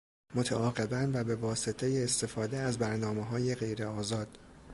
متعاقبا و به واسطه استفاده از برنامههای غیر آزاد